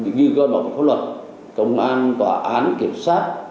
như gọi bỏ tài khoản luật công an tòa án kiểm soát